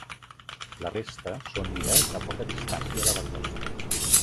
La resta són illes a poca distància de la costa.